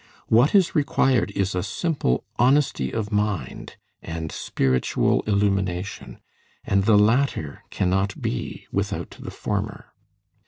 What is required is a simple honesty of mind and spiritual illumination, and the latter cannot be without the former.